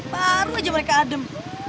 baru aja mereka adem